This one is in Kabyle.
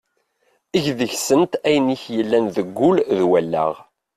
Eg deg-sent ayen i k-yellan deg wul d wallaɣ.